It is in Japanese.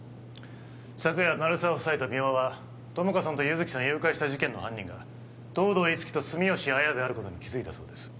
昨夜鳴沢夫妻と三輪は友果さんと優月さん誘拐した事件の犯人が東堂樹生と住吉亜矢であることに気づいたそうです